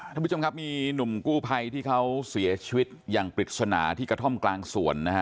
ท่านผู้ชมครับมีหนุ่มกู้ภัยที่เขาเสียชีวิตอย่างปริศนาที่กระท่อมกลางสวนนะฮะ